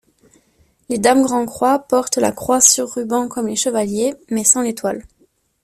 Les Dames grand-croix portent la croix sur ruban comme les Chevaliers, mais sans l'étoile.